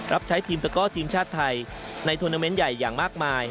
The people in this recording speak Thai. รับใช้ทีมตะก้อทีมชาติไทยในทวนาเมนต์ใหญ่อย่างมากมาย